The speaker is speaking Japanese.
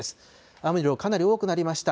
雨の量、かなり多くなりました。